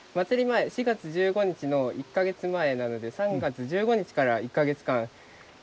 前４月１５日の１か月前なので３月１５日から１か月間練習します。